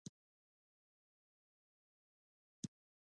څنګه کولی شم د افتار لپاره نوې دستورې ومومم